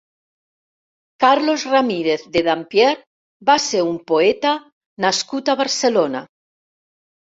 Carlos Ramírez de Dampierre va ser un poeta nascut a Barcelona.